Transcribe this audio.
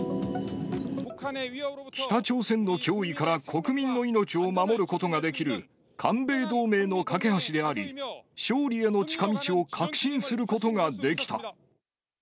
北朝鮮の脅威から国民の命を守ることができる、韓米同盟の懸け橋であり、勝利への近道を確信することができた。